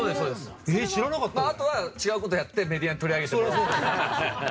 あとは、違うことをやってメディアに取り上げてもらおうって。